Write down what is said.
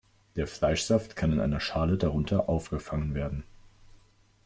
Der Fleischsaft kann in einer Schale darunter aufgefangen werden.